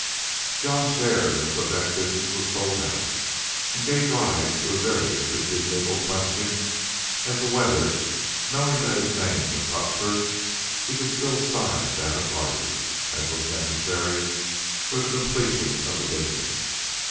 John's share in the Quebec business was sold out, and gave rise to a very interesting legal question as to whether, knowing that his name was Huxford, he could still sign that of Hardy, as was necessary for the completion of the business.